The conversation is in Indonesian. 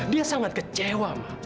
dia sangat kecewa ma